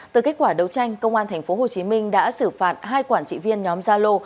từ kết quả đấu tranh công an tp hcm đã xử phạt hai quản trị viên nhóm gia lô